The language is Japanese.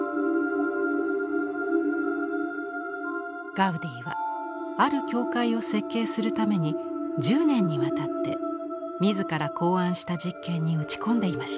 ガウディはある教会を設計するために１０年にわたって自ら考案した実験に打ち込んでいました。